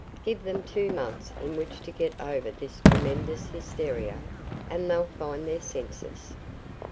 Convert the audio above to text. Give them two months in which to get over this tremendous hysteria, and they'll find their senses.